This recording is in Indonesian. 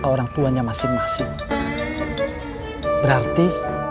orang tuanya masing masing berarti